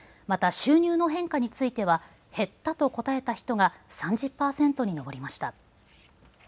また収入の変化については減ったと答えた人が３０％に上りました。